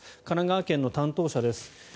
神奈川県の担当者です。